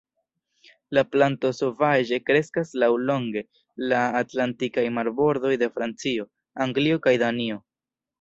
La planto sovaĝe kreskas laŭlonge la atlantikaj marbordoj de Francio, Anglio kaj Danio.